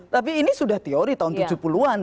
tapi ini sudah teori tahun tujuh puluh an